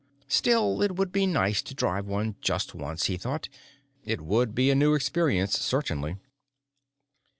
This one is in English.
Still, it would be nice to drive one just once, he thought; it would be a new experience, certainly.